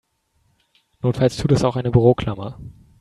Notfalls tut es auch eine Büroklammer.